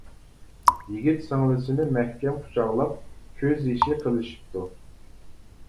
يىگىت سىڭلىسىنى مەھكەم قۇچاقلاپ، كۆز يېشى قىلىشىپتۇ.